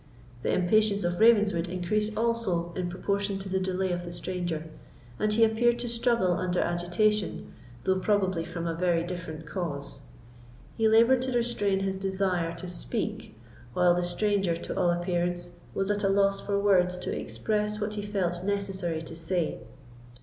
The impatience of Ravenswood increased also in proportion to the delay of the stranger, and he appeared to struggle under agitation, though probably from a very different cause. He laboured to restrain his desire to speak, while the stranger, to all appearance, was at a loss for words to express what he felt necessary to say.